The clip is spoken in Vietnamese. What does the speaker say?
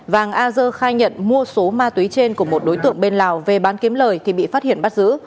vàng a dơ khai nhận mua số ma túy trên của một đối tượng bên lào về bán kiếm lời thì bị phát hiện bắt giữ